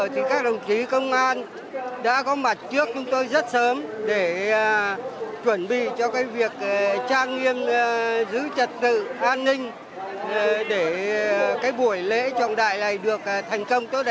thì các đồng chí công an đã có mặt trước chúng tôi rất sớm để chuẩn bị cho cái việc trang nghiêm giữ trật tự an ninh để cái buổi lễ trọng đại này được thành công tốt đẹp